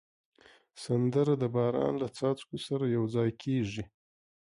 سندره د باران له څاڅکو سره یو ځای کېږي